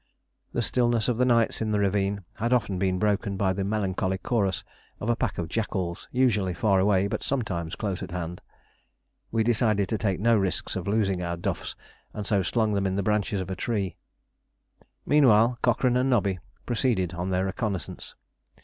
The stillness of the nights in the ravine had often been broken by the melancholy chorus of a pack of jackals, usually far away but sometimes close at hand. We decided to take no risks of loosing our duffs, and so slung them in the branches of a tree. Meanwhile Cochrane and Nobby proceeded on their reconnaissance.